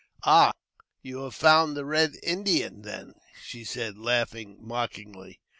" Ah, you have found the red handed Indian, then," she said, laughing mockingly.